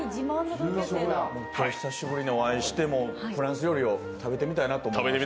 今日久しぶりにお会いしてフランス料理を食べてみたいなと。